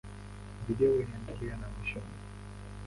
Video inaendelea na mwishoni.